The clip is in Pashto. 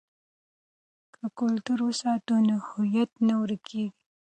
که کلتور وساتو نو هویت نه ورکيږي.